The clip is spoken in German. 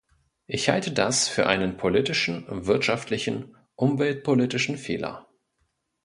Ich halte das für einen politischen, wirtschaftlichen, umweltpolitischen Fehler.